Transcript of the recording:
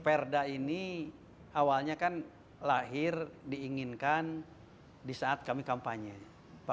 perda ini awalnya kan lahir diinginkan disaat kami kampanye